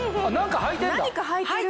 何かはいてる。